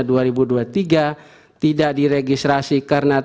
tidak diregistrasi karena tidak memenuhi syarat material